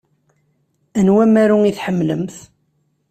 Anwa amaru i tḥemmlemt?